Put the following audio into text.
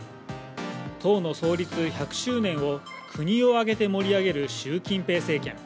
党の創立１００周年を国を挙げて盛り上げる、シュウ・キンペイ政権。